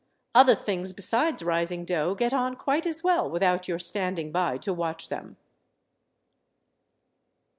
Other things besides rising dough get on quite as well without your standing by to watch them.